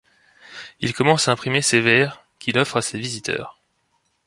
Il commence à imprimer ses vers, qu’il offre à ses visiteurs.